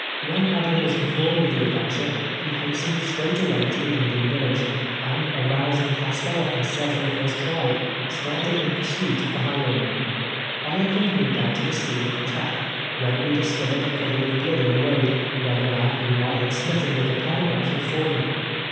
When Adam was informed of the adventure, he hastened straightway to the Indian village, and arous ing Cascalla and several of his tribe, started in pm* Buit of the highwaymen. I accompanied them to the scene of attack, when we discovered a puddle of blood in the road, where the man whom I had smit ten with the pine knot had fallen.